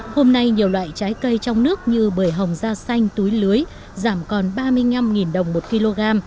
hôm nay nhiều loại trái cây trong nước như bưởi hồng da xanh túi lưới giảm còn ba mươi năm đồng một kg